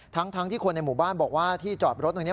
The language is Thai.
ทั้งที่คนในหมู่บ้านบอกว่าที่จอดรถตรงนี้